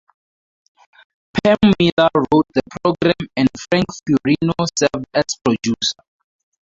Pam Miller wrote the program and Frank Furino served as producer.